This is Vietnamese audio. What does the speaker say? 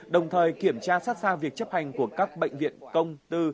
đồng thời kiểm tra sát sao việc chấp hành của các bệnh viện công tư